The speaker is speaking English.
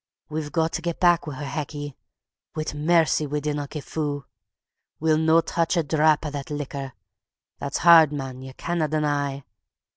We've got tae get back wi' her, Hecky. Whit mercy we didna get fou! We'll no touch a drap o' that likker that's hard, man, ye canna deny.